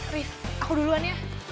riz aku duluan ya